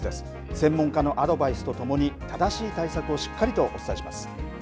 専門家のアドバイスと共に正しい対策をしっかりとお伝えします。